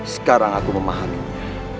sekarang aku memahaminya